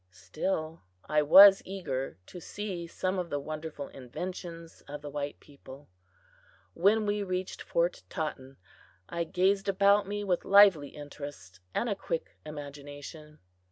Still, I was eager to see some of the wonderful inventions of the white people. When we reached Fort Totten, I gazed about me with lively interest and a quick imagination.